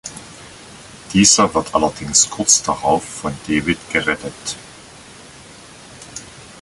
Dieser wird allerdings kurz darauf von David gerettet.